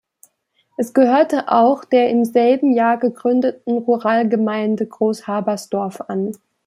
Es gehörte auch der im selben Jahr gegründeten Ruralgemeinde Großhabersdorf an.